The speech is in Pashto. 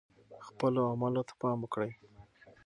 خپلو اعمالو ته پام وکړئ.